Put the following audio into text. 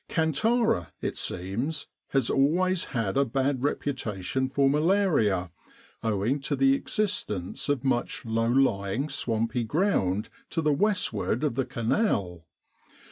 Kantara, it seems, has always had a bad reputation for malaria, owing to the existence of much low lying, swampy ground to the westward of the Canal.